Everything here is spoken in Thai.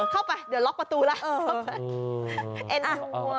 เข้าไปเดี๋ยวล็อกประตูแล้ว